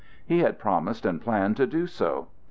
He had promised and planned to do so.